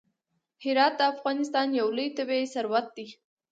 هرات د افغانستان یو لوی طبعي ثروت دی.